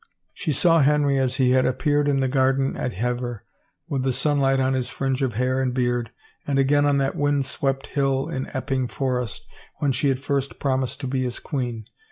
She saw Henry as he had appeared in the garden at Hever with the sunlight on his fringe of hair and beard, and again on that wind swept hill in Epping forest when she had first promised to be his queen.